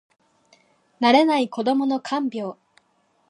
慣れない子どもの看病